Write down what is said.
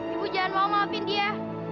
ibu jangan mau maafin dia